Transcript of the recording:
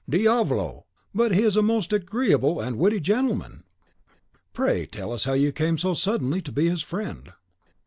Diavolo! but he is a most agreeable and witty gentleman!" "Pray tell us how you came so suddenly to be his friend."